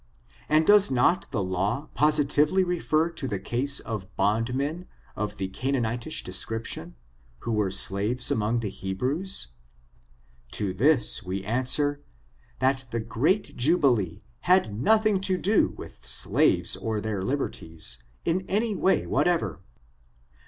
And does not the law positively refer to the case of bondmen of the Canaanitish description, who were slaves among the Hebrews? To this wc answer, that the great jubilee had nothing to do with slaves or their liberties, in any way whatever.